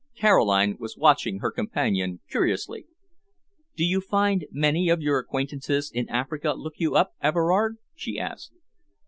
Caroline was watching her companion curiously. "Do you find many of your acquaintances in Africa look you up, Everard?" she asked.